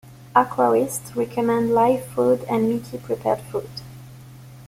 Aquarists recommend live foods and meaty prepared foods.